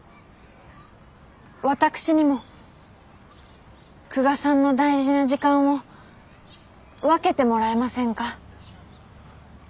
私にも久我さんの大事な時間を分けてもらえませんか？